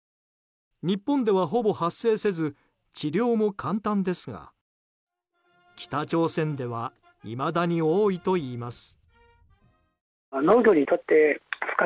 日本では、ほぼ発生せず治療も簡単ですが北朝鮮ではいまだに多いといいます。